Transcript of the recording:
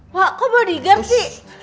wak kok bodyguard sih